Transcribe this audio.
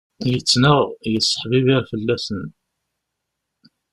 Yettnaɣ, yesseḥbibir fell-asen.